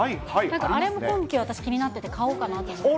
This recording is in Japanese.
なんかあれも今季、私、気になってて、買おうかなと思ってて。